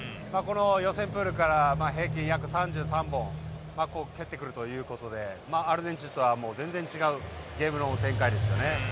予選プールから平均、約３３本蹴ってくるということでアルゼンチンとは全然違うゲームの展開ですよね。